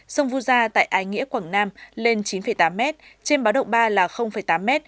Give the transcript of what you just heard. sông vu gia tại ái nghĩa quảng nam lên chín tám m trên báo động ba là tám m